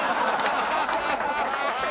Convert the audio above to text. ハハハハ！